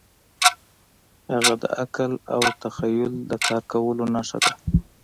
هڅه د عقل او تخیل د کار کولو نښه ده.